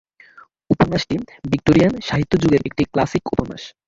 উপন্যাসটি ভিক্টোরিয়ান সাহিত্য যুগের একটি ক্লাসিক উপন্যাস।